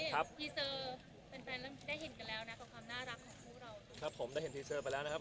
ก่อนรักของคุณแล้วเพราะผมเทซอร์เพิ่งพาลนี่แล้วครับ